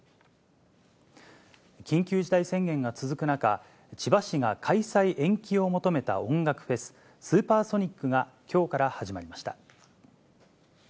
緊急事態宣言が続く中、千葉市が開催延期を求めた音楽フェス、スーパーソニックがきょうから始まりました。